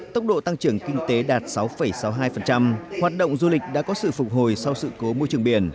tốc độ tăng trưởng kinh tế đạt sáu sáu mươi hai hoạt động du lịch đã có sự phục hồi sau sự cố môi trường biển